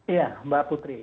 iya mbak putri